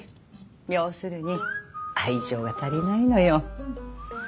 要するに愛情が足りないのよ。